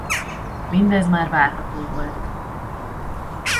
Mindez már várható volt.